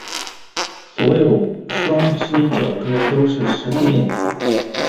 所有双七角锥都是十四面体。